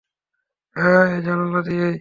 হ্যাঁ, এই জানালা দিয়েই।